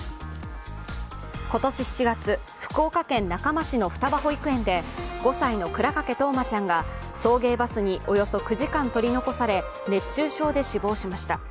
今年７月、福岡県中間市の双葉保育園で５歳の倉掛冬生ちゃんが送迎バスにおよそ９時間取り残され熱中症で死亡しました。